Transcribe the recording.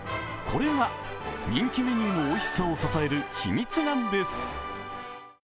これが人気メニューのおいしさを支える秘密なんです。